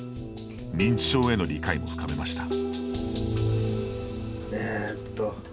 認知症への理解も深めました。